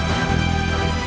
mereka mencari mati